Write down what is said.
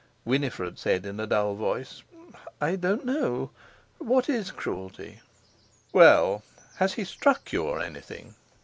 Winifred said in a dull voice: "I don't know. What is cruelty?" "Well, has he struck you, or anything?"